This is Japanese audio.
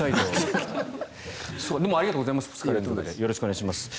でも、ありがとうございます。